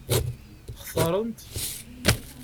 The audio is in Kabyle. Xtaṛen-t?